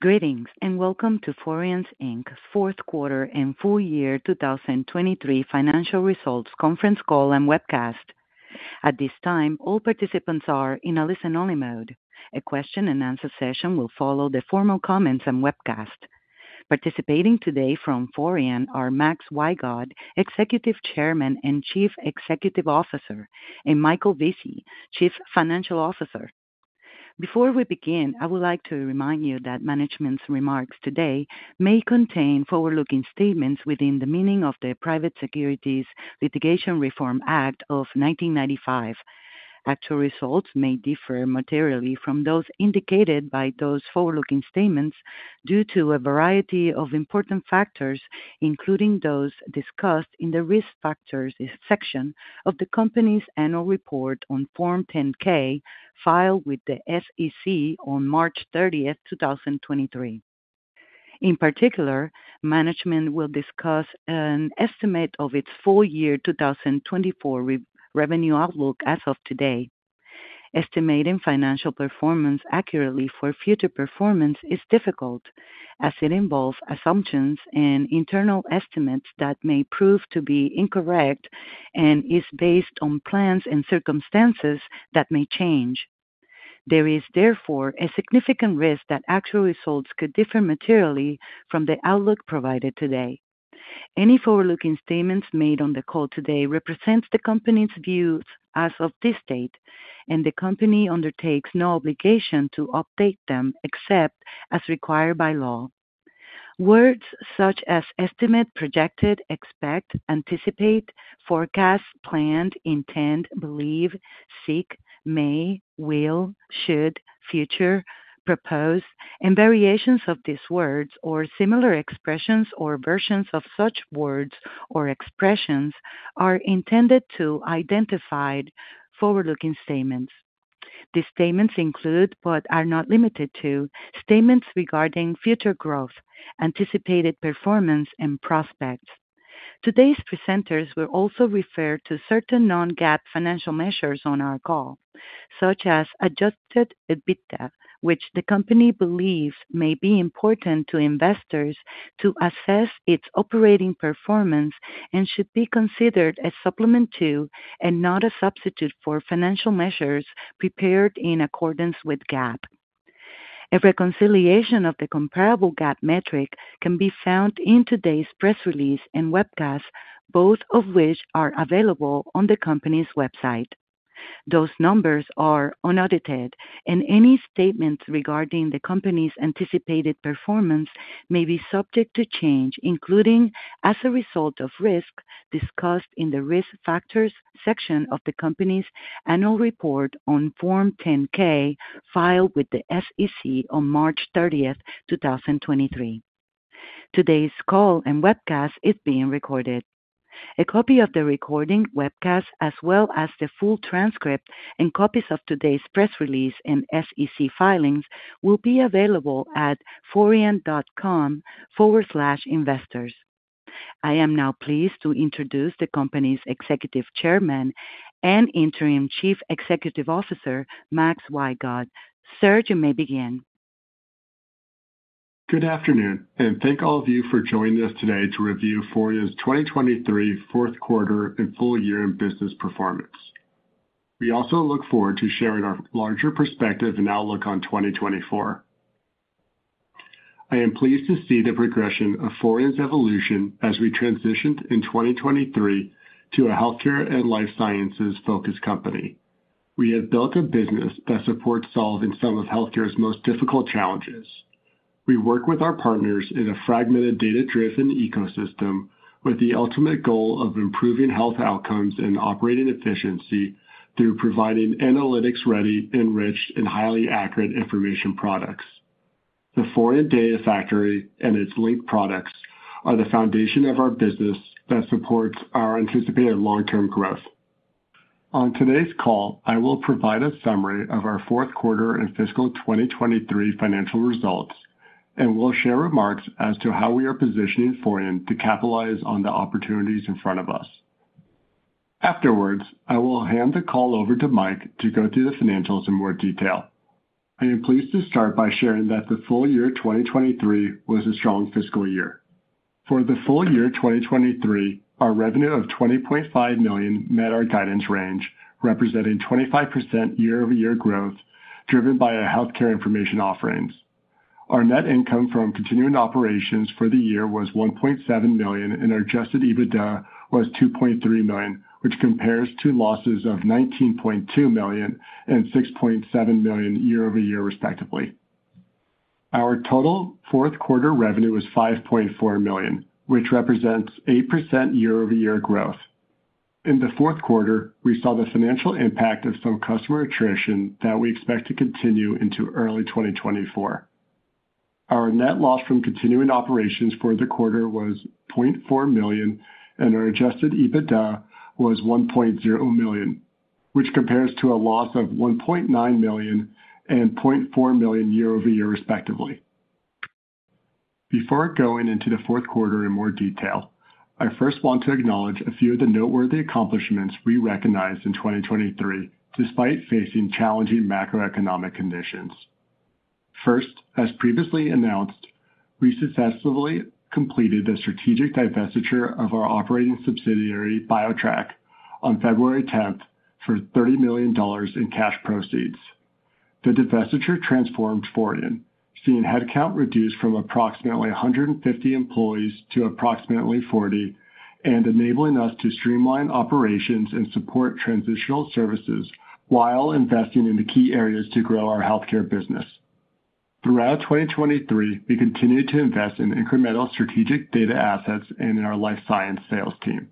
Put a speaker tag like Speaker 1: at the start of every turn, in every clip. Speaker 1: Greetings, and welcome to Forian Inc.'s Fourth Quarter and Full Year 2023 Financial Results Conference Call and Webcast. At this time, all participants are in a listen-only mode. A question-and-answer session will follow the formal comments and webcast. Participating today from Forian are Max Wygod, Executive Chairman and Chief Executive Officer, and Michael Vesey, Chief Financial Officer. Before we begin, I would like to remind you that management's remarks today may contain forward-looking statements within the meaning of the Private Securities Litigation Reform Act of 1995. Actual results may differ materially from those indicated by those forward-looking statements due to a variety of important factors, including those discussed in the Risk Factors section of the company's Annual Report on Form 10-K, filed with the SEC on March 30, 2023. In particular, management will discuss an estimate of its full year 2024 revenue outlook as of today. Estimating financial performance accurately for future performance is difficult, as it involves assumptions and internal estimates that may prove to be incorrect and is based on plans and circumstances that may change. There is, therefore, a significant risk that actual results could differ materially from the outlook provided today. Any forward-looking statements made on the call today represents the company's views as of this date, and the company undertakes no obligation to update them except as required by law. Words such as estimate, projected, expect, anticipate, forecast, planned, intend, believe, seek, may, will, should, future, propose, and variations of these words or similar expressions or versions of such words or expressions are intended to identify forward-looking statements. These statements include, but are not limited to, statements regarding future growth, anticipated performance, and prospects. Today's presenters will also refer to certain non-GAAP financial measures on our call, such as Adjusted EBITDA, which the company believes may be important to investors to assess its operating performance and should be considered a supplement to, and not a substitute for, financial measures prepared in accordance with GAAP. A reconciliation of the comparable GAAP metric can be found in today's press release and webcast, both of which are available on the company's website. Those numbers are unaudited, and any statements regarding the company's anticipated performance may be subject to change, including as a result of risks discussed in the Risk Factors section of the company's Annual Report on Form 10-K, filed with the SEC on March 30, 2023. Today's call and webcast is being recorded. A copy of the recording webcast, as well as the full transcript and copies of today's press release and SEC filings, will be available at forian.com/investors. I am now pleased to introduce the company's Executive Chairman and Interim Chief Executive Officer, Max Wygod. Sir, you may begin.
Speaker 2: Good afternoon, and thank all of you for joining us today to review Forian's 2023 fourth quarter and full year in business performance. We also look forward to sharing our larger perspective and outlook on 2024. I am pleased to see the progression of Forian's evolution as we transitioned in 2023 to a healthcare and life sciences-focused company. We have built a business that supports solving some of healthcare's most difficult challenges. We work with our partners in a fragmented, data-driven ecosystem with the ultimate goal of improving health outcomes and operating efficiency through providing analytics-ready, enriched, and highly accurate information products. The Forian Data Factory and its linked products are the foundation of our business that supports our anticipated long-term growth. On today's call, I will provide a summary of our fourth quarter and fiscal 2023 financial results, and will share remarks as to how we are positioning Forian to capitalize on the opportunities in front of us. Afterwards, I will hand the call over to Mike to go through the financials in more detail. I am pleased to start by sharing that the full year 2023 was a strong fiscal year. For the full year 2023, our revenue of $20.5 million met our guidance range, representing 25% year-over-year growth, driven by our healthcare information offerings. Our net income from continuing operations for the year was $1.7 million, and our Adjusted EBITDA was $2.3 million, which compares to losses of $19.2 million and $6.7 million year-over-year, respectively. Our total fourth quarter revenue was $5.4 million, which represents 8% year-over-year growth. In the fourth quarter, we saw the financial impact of some customer attrition that we expect to continue into early 2024. Our net loss from continuing operations for the quarter was $0.4 million, and our Adjusted EBITDA was $1.0 million, which compares to a loss of $1.9 million and $0.4 million year-over-year, respectively. Before going into the fourth quarter in more detail, I first want to acknowledge a few of the noteworthy accomplishments we recognized in 2023, despite facing challenging macroeconomic conditions. First, as previously announced, we successfully completed the strategic divestiture of our operating subsidiary, BioTrack, on February 10, for $30 million in cash proceeds. The divestiture transformed Forian, seeing headcount reduced from approximately 150 employees to approximately 40, and enabling us to streamline operations and support transitional services while investing in the key areas to grow our healthcare business. Throughout 2023, we continued to invest in incremental strategic data assets and in our life science sales team.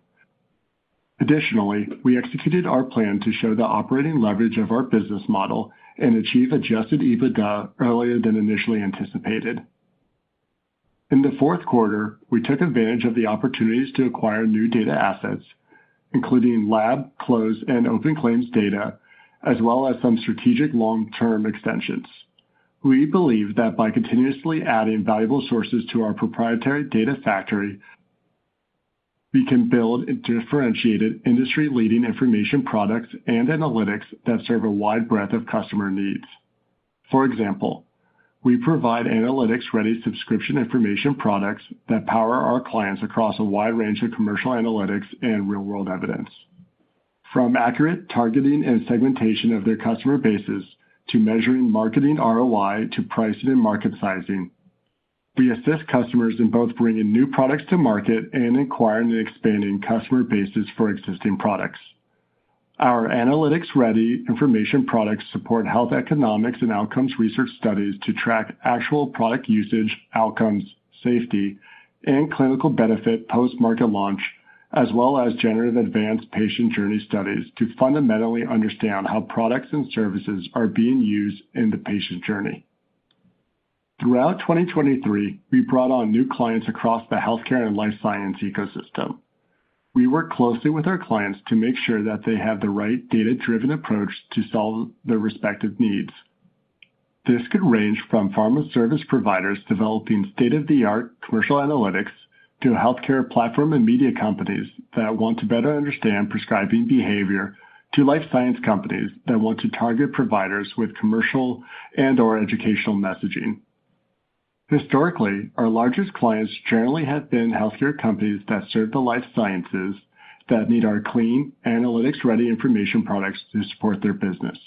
Speaker 2: Additionally, we executed our plan to show the operating leverage of our business model and achieve Adjusted EBITDA earlier than initially anticipated. In the fourth quarter, we took advantage of the opportunities to acquire new data assets, including lab, closed, and open claims data, as well as some strategic long-term extensions. We believe that by continuously adding valuable sources to our proprietary data factory, we can build a differentiated, industry-leading information products and analytics that serve a wide breadth of customer needs. For example, we provide analytics-ready subscription information products that power our clients across a wide range of commercial analytics and real-world evidence. From accurate targeting and segmentation of their customer bases, to measuring marketing ROI, to pricing and market sizing, we assist customers in both bringing new products to market and acquiring and expanding customer bases for existing products. Our analytics-ready information products support health economics and outcomes research studies to track actual product usage, outcomes, safety, and clinical benefit post-market launch, as well as generative advanced patient journey studies, to fundamentally understand how products and services are being used in the patient journey. Throughout 2023, we brought on new clients across the healthcare and life science ecosystem. We work closely with our clients to make sure that they have the right data-driven approach to solve their respective needs. This could range from pharma service providers developing state-of-the-art commercial analytics, to healthcare platform and media companies that want to better understand prescribing behavior, to life science companies that want to target providers with commercial and/or educational messaging. Historically, our largest clients generally have been healthcare companies that serve the life sciences that need our clean, analytics-ready information products to support their business.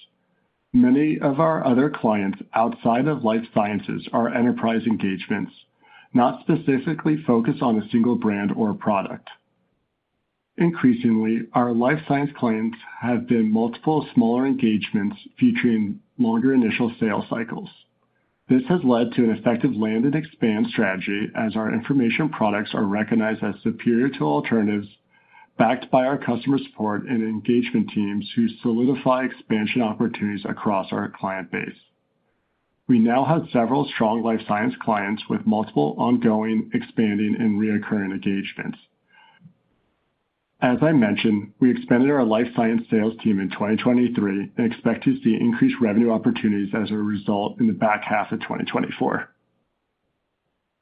Speaker 2: Many of our other clients outside of life sciences are enterprise engagements, not specifically focused on a single brand or product. Increasingly, our life science clients have been multiple smaller engagements featuring longer initial sales cycles. This has led to an effective land and expand strategy as our information products are recognized as superior to alternatives, backed by our customer support and engagement teams, who solidify expansion opportunities across our client base. We now have several strong life science clients with multiple ongoing, expanding, and recurring engagements. As I mentioned, we expanded our life science sales team in 2023 and expect to see increased revenue opportunities as a result in the back half of 2024.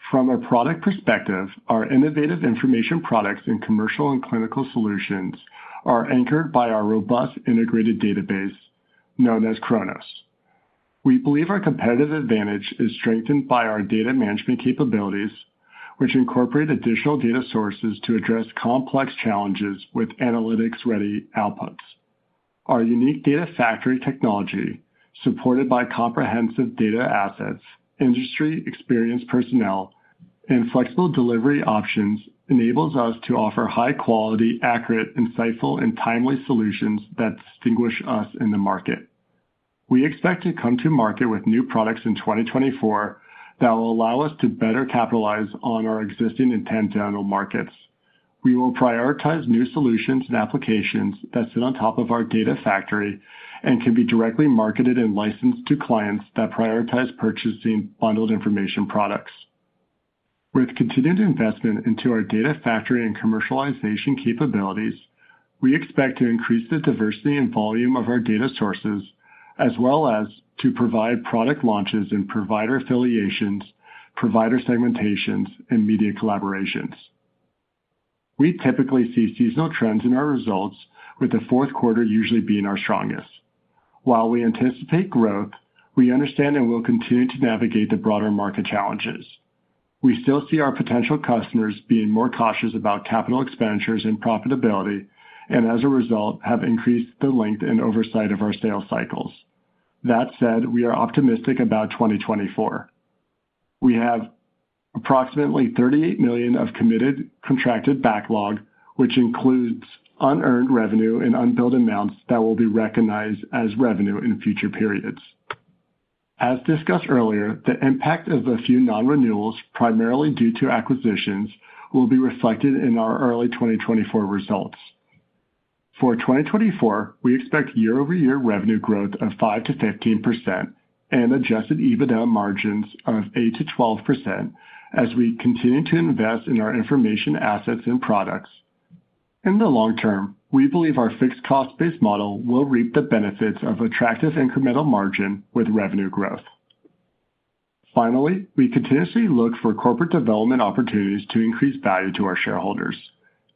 Speaker 2: From a product perspective, our innovative information products in commercial and clinical solutions are anchored by our robust integrated database, known as Chronos. We believe our competitive advantage is strengthened by our data management capabilities, which incorporate additional data sources to address complex challenges with analytics-ready outputs. Our unique Data Factory technology, supported by comprehensive data assets, industry experienced personnel, and flexible delivery options, enables us to offer high quality, accurate, insightful, and timely solutions that distinguish us in the market. We expect to come to market with new products in 2024 that will allow us to better capitalize on our existing and tangential markets. We will prioritize new solutions and applications that sit on top of our data factory and can be directly marketed and licensed to clients that prioritize purchasing bundled information products. With continued investment into our data factory and commercialization capabilities, we expect to increase the diversity and volume of our data sources, as well as to provide product launches and provider affiliations, provider segmentations, and media collaborations. We typically see seasonal trends in our results, with the fourth quarter usually being our strongest. While we anticipate growth, we understand and will continue to navigate the broader market challenges. We still see our potential customers being more cautious about capital expenditures and profitability, and as a result, have increased the length and oversight of our sales cycles. That said, we are optimistic about 2024. We have approximately $38 million of committed contracted backlog, which includes unearned revenue and unbilled amounts that will be recognized as revenue in future periods. As discussed earlier, the impact of a few non-renewals, primarily due to acquisitions, will be reflected in our early 2024 results. For 2024, we expect year-over-year revenue growth of 5%-15% and Adjusted EBITDA margins of 8%-12%, as we continue to invest in our information assets and products. In the long term, we believe our fixed cost base model will reap the benefits of attractive incremental margin with revenue growth. Finally, we continuously look for corporate development opportunities to increase value to our shareholders.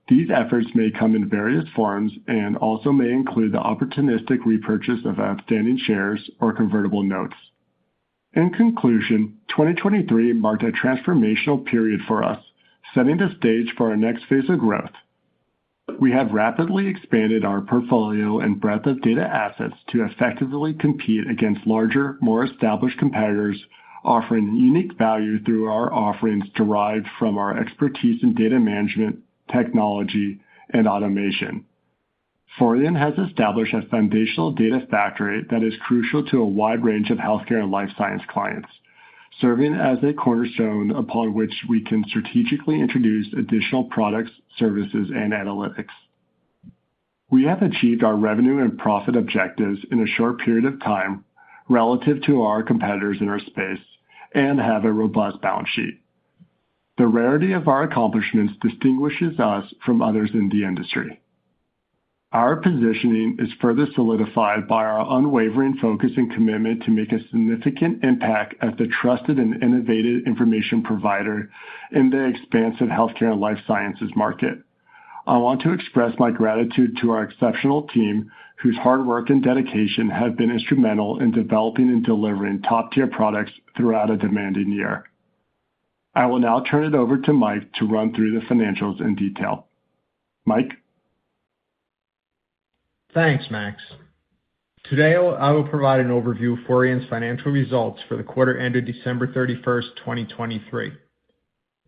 Speaker 2: These efforts may come in various forms and also may include the opportunistic repurchase of outstanding shares or convertible notes. In conclusion, 2023 marked a transformational period for us, setting the stage for our next phase of growth. We have rapidly expanded our portfolio and breadth of data assets to effectively compete against larger, more established competitors, offering unique value through our offerings derived from our expertise in data management, technology, and automation. Forian has established a foundational data factory that is crucial to a wide range of healthcare and life science clients, serving as a cornerstone upon which we can strategically introduce additional products, services, and analytics. We have achieved our revenue and profit objectives in a short period of time relative to our competitors in our space and have a robust balance sheet. The rarity of our accomplishments distinguishes us from others in the industry. Our positioning is further solidified by our unwavering focus and commitment to make a significant impact as a trusted and innovative information provider in the expansive healthcare and life sciences market. I want to express my gratitude to our exceptional team, whose hard work and dedication have been instrumental in developing and delivering top-tier products throughout a demanding year. I will now turn it over to Mike to run through the financials in detail. Mike?
Speaker 3: Thanks, Max. Today, I will provide an overview of Forian's financial results for the quarter ended December 31, 2023.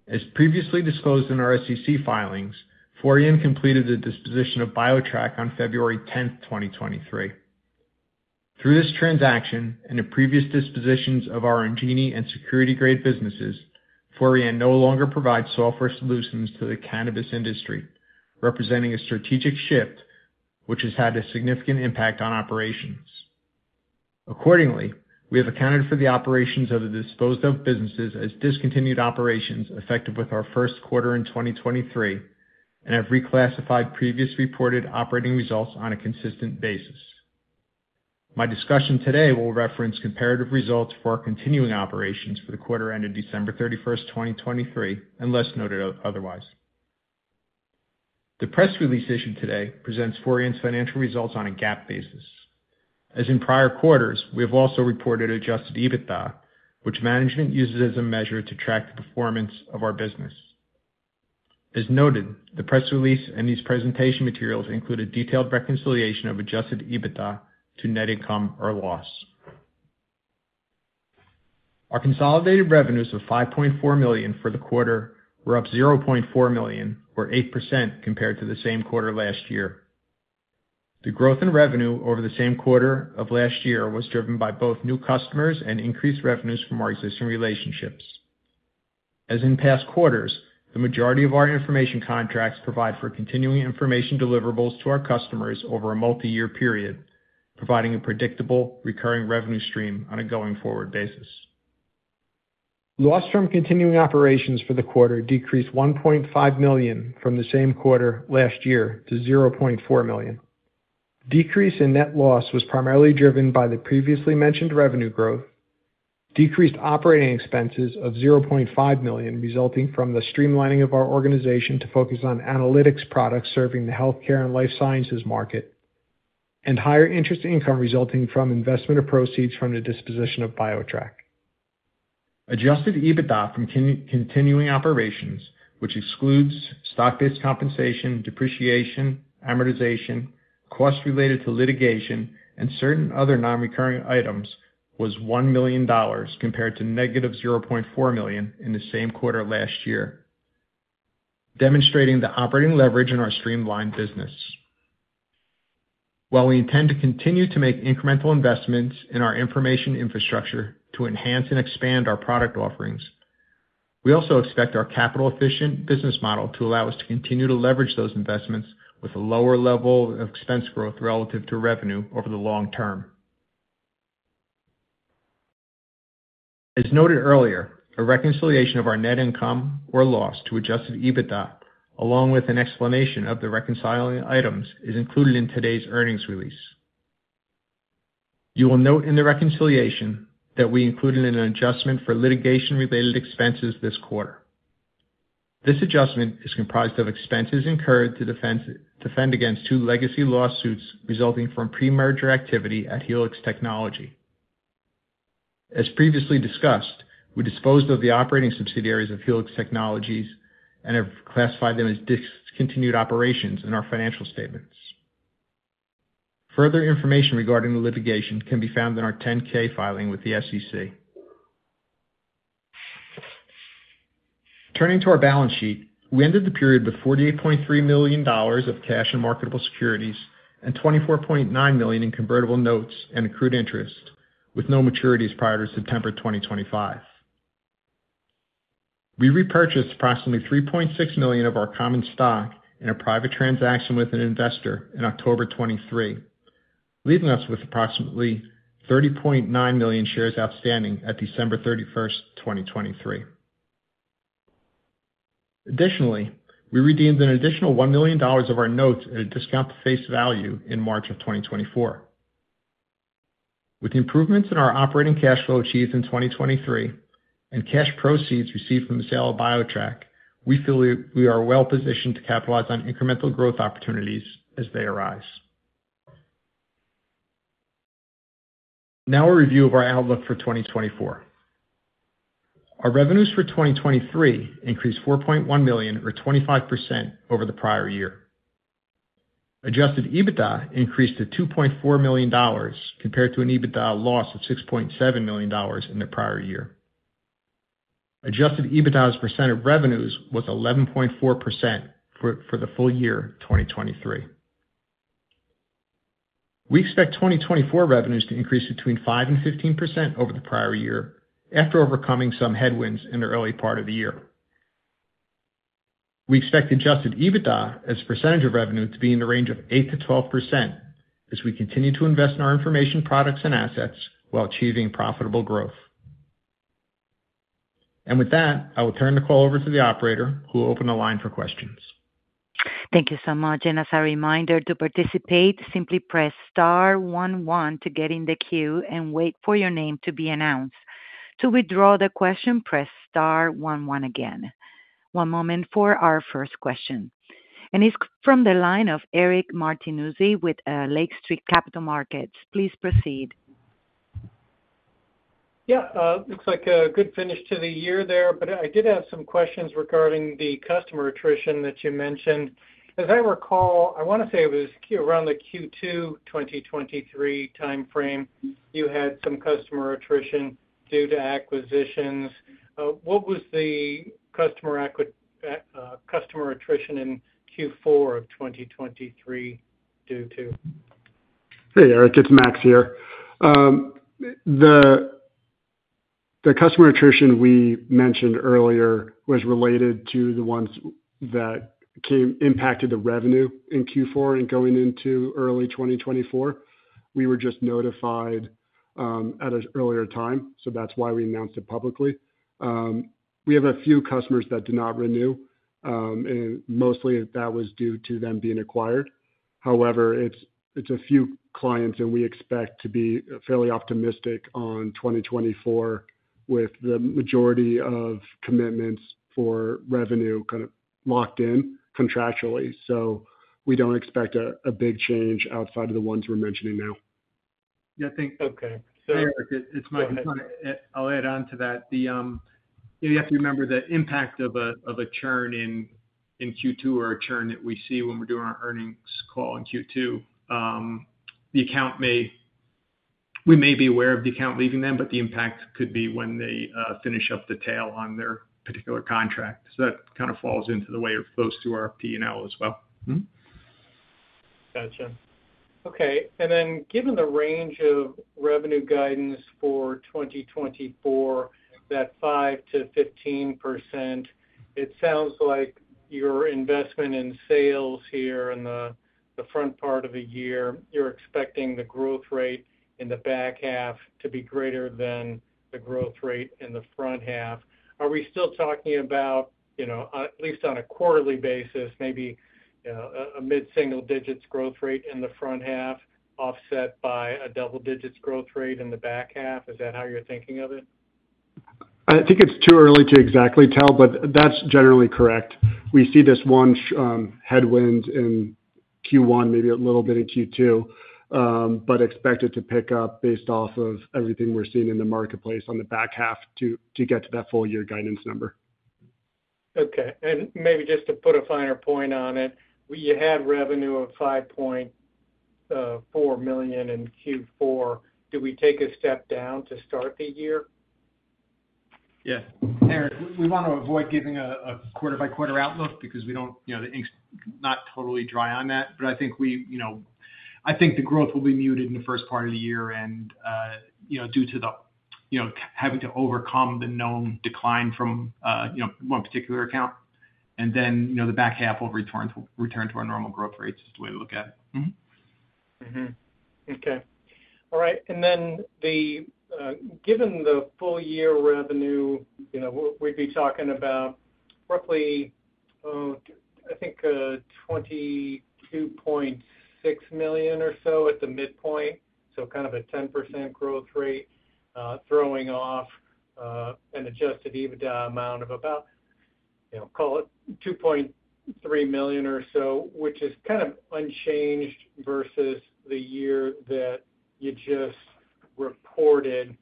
Speaker 3: As previously disclosed in our SEC filings, Forian completed the disposition of BioTrack on February 10, 2023. Through this transaction and the previous dispositions of our Engin and Security Grade businesses, Forian no longer provides software solutions to the cannabis industry, representing a strategic shift which has had a significant impact on operations. Accordingly, we have accounted for the operations of the disposed-of businesses as discontinued operations, effective with our first quarter in 2023, and have reclassified previously reported operating results on a consistent basis. My discussion today will reference comparative results for our continuing operations for the quarter ended December 31, 2023, unless noted otherwise. The press release issued today presents Forian's financial results on a GAAP basis. As in prior quarters, we have also reported adjusted EBITDA, which management uses as a measure to track the performance of our business. As noted, the press release and these presentation materials include a detailed reconciliation of adjusted EBITDA to net income or loss. Our consolidated revenues of $5.4 million for the quarter were up $0.4 million, or 8%, compared to the same quarter last year. The growth in revenue over the same quarter of last year was driven by both new customers and increased revenues from our existing relationships. As in past quarters, the majority of our information contracts provide for continuing information deliverables to our customers over a multiyear period, providing a predictable, recurring revenue stream on a going-forward basis. Loss from continuing operations for the quarter decreased $1.5 million from the same quarter last year to $0.4 million. Decrease in net loss was primarily driven by the previously mentioned revenue growth, decreased operating expenses of $0.5 million, resulting from the streamlining of our organization to focus on analytics products serving the healthcare and life sciences market, and higher interest income resulting from investment of proceeds from the disposition of BioTrack. Adjusted EBITDA from continuing operations, which excludes stock-based compensation, depreciation, amortization, costs related to litigation, and certain other non-recurring items, was $1 million, compared to negative $0.4 million in the same quarter last year, demonstrating the operating leverage in our streamlined business. While we intend to continue to make incremental investments in our information infrastructure to enhance and expand our product offerings, we also expect our capital-efficient business model to allow us to continue to leverage those investments with a lower level of expense growth relative to revenue over the long term. As noted earlier, a reconciliation of our net income or loss to Adjusted EBITDA, along with an explanation of the reconciling items, is included in today's earnings release. You will note in the reconciliation that we included an adjustment for litigation-related expenses this quarter. This adjustment is comprised of expenses incurred to defend against two legacy lawsuits resulting from pre-merger activity at Helix Technologies. As previously discussed, we disposed of the operating subsidiaries of Helix Technologies and have classified them as discontinued operations in our financial statements. Further information regarding the litigation can be found in our 10-K filing with the SEC. Turning to our balance sheet, we ended the period with $48.3 million of cash and marketable securities and $24.9 million in convertible notes and accrued interest, with no maturities prior to September 2025. We repurchased approximately 3.6 million of our common stock in a private transaction with an investor in October 2023, leaving us with approximately 30.9 million shares outstanding at December 31, 2023. Additionally, we redeemed an additional $1 million of our notes at a discount to face value in March 2024. With the improvements in our operating cash flow achieved in 2023, and cash proceeds received from the sale of BioTrack, we feel we are well positioned to capitalize on incremental growth opportunities as they arise. Now, a review of our outlook for 2024. Our revenues for 2023 increased $4.1 million, or 25%, over the prior year. Adjusted EBITDA increased to $2.4 million, compared to an EBITDA loss of $6.7 million in the prior year. Adjusted EBITDA as a percent of revenues was 11.4% for the full year 2023. We expect 2024 revenues to increase between 5% and 15% over the prior year, after overcoming some headwinds in the early part of the year. We expect adjusted EBITDA as a percentage of revenue to be in the range of 8%-12%, as we continue to invest in our information, products, and assets while achieving profitable growth. With that, I will turn the call over to the operator, who will open the line for questions.
Speaker 1: Thank you so much. As a reminder, to participate, simply press star one one to get in the queue and wait for your name to be announced. To withdraw the question, press star one one again. One moment for our first question, and it's from the line of Eric Martinuzzi with Lake Street Capital Markets. Please proceed.
Speaker 4: Yeah, looks like a good finish to the year there, but I did have some questions regarding the customer attrition that you mentioned. As I recall, I wanna say it was around the Q2 2023 timeframe, you had some customer attrition due to acquisitions. What was the customer attrition in Q4 of 2023 due to?
Speaker 2: Hey, Eric, it's Max here. The customer attrition we mentioned earlier was related to the ones that impacted the revenue in Q4 and going into early 2024. We were just notified at an earlier time, so that's why we announced it publicly. We have a few customers that do not renew, and mostly that was due to them being acquired. However, it's a few clients, and we expect to be fairly optimistic on 2024, with the majority of commitments for revenue kind of locked in contractually. So we don't expect a big change outside of the ones we're mentioning now.
Speaker 4: Yeah, I think-
Speaker 2: Okay, so-
Speaker 3: Hey, Eric, it's Mike.
Speaker 4: Go ahead.
Speaker 3: I'll add on to that. You have to remember the impact of a churn in Q2, or a churn that we see when we're doing our earnings call in Q2. The account may... We may be aware of the account leaving then, but the impact could be when they finish up the tail on their particular contract. So that kind of falls into the way it flows through our P&L as well. Mm-hmm.
Speaker 4: Gotcha. Okay, and then given the range of revenue guidance for 2024, that 5%-15%, it sounds like your investment in sales here in the, the front part of the year, you're expecting the growth rate in the back half to be greater than the growth rate in the front half. Are we still talking about, you know, at least on a quarterly basis, maybe, a mid-single digits growth rate in the front half, offset by a double digits growth rate in the back half? Is that how you're thinking of it?
Speaker 2: I think it's too early to exactly tell, but that's generally correct. We see this one headwind in Q1, maybe a little bit in Q2, but expect it to pick up based off of everything we're seeing in the marketplace on the back half to get to that full year guidance number.
Speaker 4: Okay. And maybe just to put a finer point on it, we had revenue of $5.4 million in Q4. Do we take a step down to start the year?
Speaker 3: Yeah. Eric, we want to avoid giving a, a quarter-by-quarter outlook because we don't, you know, the ink's not totally dry on that. But I think we, you know—I think the growth will be muted in the first part of the year and, you know, due to the, you know, having to overcome the known decline from, you know, one particular account. And then, you know, the back half will return to, return to our normal growth rates, is the way to look at it. Mm-hmm.
Speaker 4: Mm-hmm. Okay. All right, and then the given the full year revenue, you know, we'll, we'd be talking about roughly, oh, I think, twenty-two point six million or so at the midpoint, so kind of a 10% growth rate, throwing off an adjusted EBITDA amount of about, you know, call it $2.3 million or so, which is kind of unchanged versus the year that you just reported.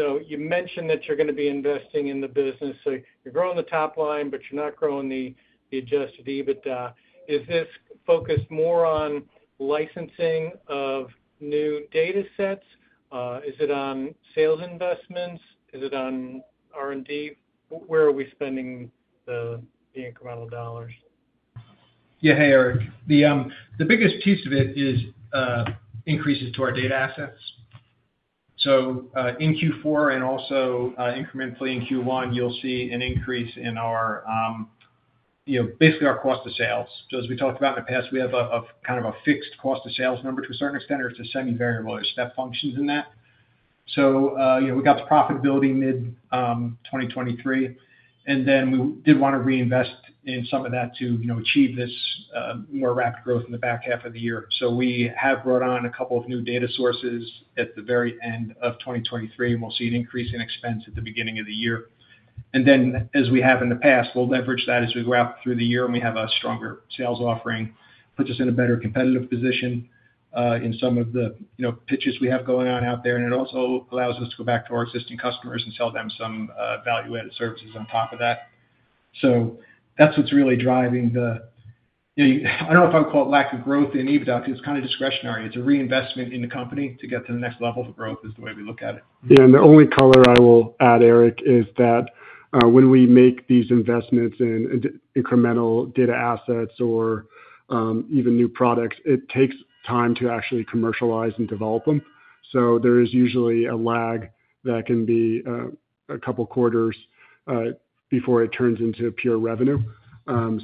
Speaker 4: So you mentioned that you're gonna be investing in the business. So you're growing the top line, but you're not growing the adjusted EBITDA. Is this focused more on licensing of new data sets? Is it on sales investments? Is it on R&D? Where are we spending the incremental dollars?
Speaker 3: Yeah. Hey, Eric. The biggest piece of it is increases to our data assets. So, in Q4 and also incrementally in Q1, you'll see an increase in our, you know, basically our cost of sales. So as we talked about in the past, we have a kind of a fixed cost of sales number. To a certain extent, it's a semi-variable. There's step functions in that. So, you know, we got to profitability mid-2023, and then we did wanna reinvest in some of that to, you know, achieve this more rapid growth in the back half of the year. So we have brought on a couple of new data sources at the very end of 2023, and we'll see an increase in expense at the beginning of the year. And then, as we have in the past, we'll leverage that as we go out through the year, and we have a stronger sales offering, puts us in a better competitive position in some of the, you know, pitches we have going on out there. And it also allows us to go back to our existing customers and sell them some value-added services on top of that. So that's what's really driving the. You, I don't know if I would call it lack of growth in EBITDA because it's kind of discretionary. It's a reinvestment in the company to get to the next level of growth, is the way we look at it.
Speaker 2: Yeah, and the only color I will add, Eric, is that when we make these investments in incremental data assets or even new products, it takes time to actually commercialize and develop them. So there is usually a lag that can be a couple quarters before it turns into pure revenue.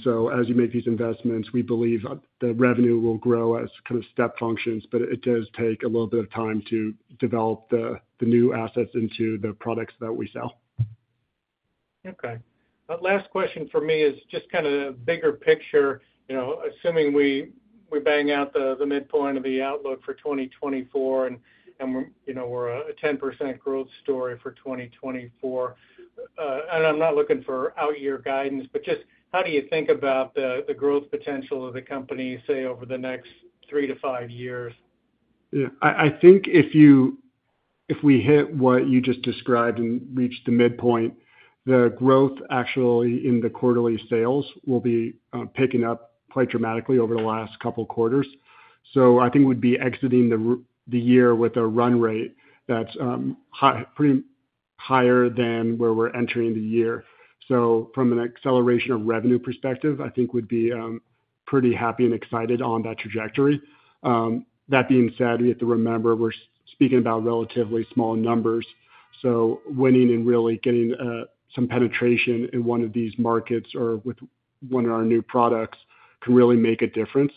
Speaker 2: So as you make these investments, we believe the revenue will grow as kind of step functions, but it does take a little bit of time to develop the new assets into the products that we sell.
Speaker 4: Okay. The last question for me is just kind of the bigger picture. You know, assuming we bang out the midpoint of the outlook for 2024, and we're a 10% growth story for 2024. And I'm not looking for out-year guidance, but just how do you think about the growth potential of the company, say, over the next three to five years?
Speaker 2: Yeah. I think if we hit what you just described and reach the midpoint, the growth actually in the quarterly sales will be picking up quite dramatically over the last couple quarters. So I think we'd be exiting the year with a run rate that's high, pretty higher than where we're entering the year. So from an acceleration of revenue perspective, I think we'd be pretty happy and excited on that trajectory. That being said, we have to remember, we're speaking about relatively small numbers, so winning and really getting some penetration in one of these markets or with one of our new products can really make a difference.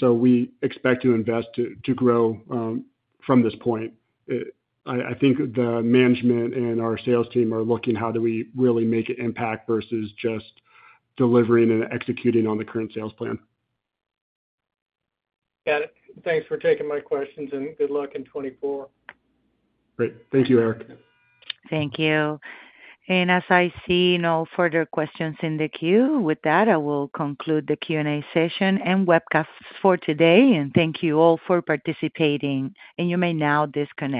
Speaker 2: So we expect to invest to grow from this point. I think the management and our sales team are looking, how do we really make an impact versus just delivering and executing on the current sales plan?
Speaker 4: Got it. Thanks for taking my questions, and good luck in 2024.
Speaker 2: Great. Thank you, Eric.
Speaker 1: Thank you. As I see no further questions in the queue, with that, I will conclude the Q&A session and webcast for today, and thank you all for participating, and you may now disconnect.